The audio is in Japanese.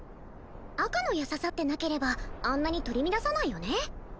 赤の矢刺さってなければあんなに取り乱さないよね